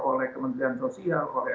oleh kementerian sosial oleh